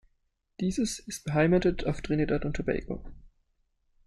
Dieses ist beheimatet auf Trinidad und Tobago.